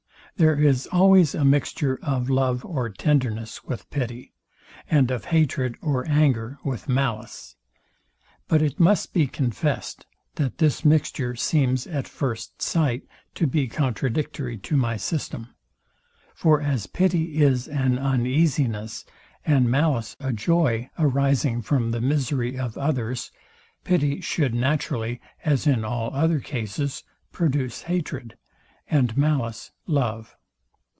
There is always a mixture of love or tenderness with pity, and of hatred or anger with malice. But it must be confessed, that this mixture seems at first sight to be contradictory to my system. For as pity is an uneasiness, and malice a joy, arising from the misery of others, pity should naturally, as in all other cases, produce hatred; and malice, love.